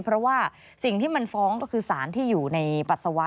เพราะว่าสิ่งที่มันฟ้องก็คือสารที่อยู่ในปัสสาวะ